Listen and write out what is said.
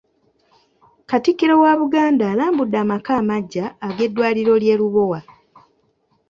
Katikkiro wa Buganda alambudde amaka amaggya ag'eddwaliro ly'e Lubowa.